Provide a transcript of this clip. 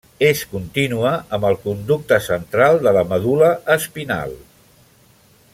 Es continua amb el conducte central de la medul·la espinal.